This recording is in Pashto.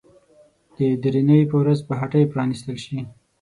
د درېنۍ په ورځ به هټۍ پرانيستل شي.